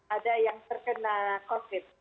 ada yang terkena covid sembilan belas